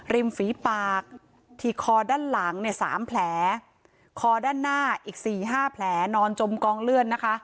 ริมฝีปากที่คอด้านหลัง๓แผลคอด้านหน้าอีก๔๕แผลนอนจมกองเลื่อนนะคะ